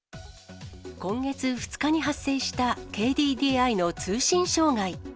今月２日に発生したＫＤＤＩの通信障害。